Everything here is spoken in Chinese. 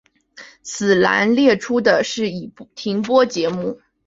此栏列出的是已停播节目。